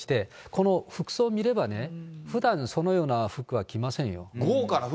この服装見ればね、ふだん、そのような服は着ませんよ。